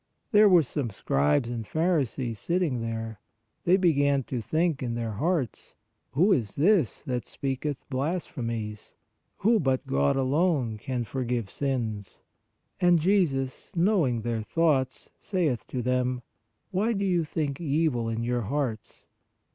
There were some scribes and pharisees sit ting there ; they began to think in their hearts : Who is this that speaketh blasphemies? who, but God alone, can forgive sins ? And Jesus, knowing their 82 , PRAYER thoughts, saith to them: Why do you think evil in your hearts?